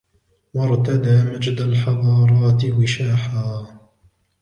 وارتدى مجد الحضارات وشاحا